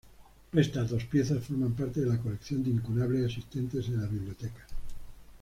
Estas dos piezas forman parte de la colección de incunables existentes en la Biblioteca.